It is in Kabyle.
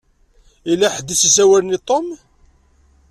Yella ḥedd i s-isawlen i Tom.